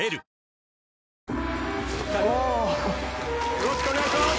よろしくお願いします！